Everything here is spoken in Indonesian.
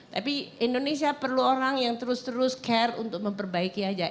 tapi indonesia perlu orang yang terus terus care untuk memperbaiki aja